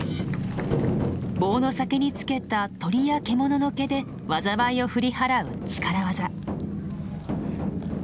棒の先につけた鳥や獣の毛で災いを振りはらう力技。